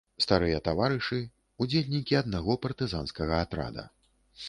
Старыя таварышы, удзельнікі аднаго партызанскага атрада.